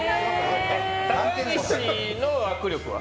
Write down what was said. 高岸の握力は？